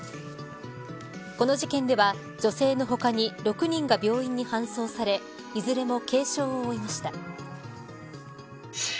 この事件では女性の他に６人が病院に搬送されいずれも軽傷を負いました。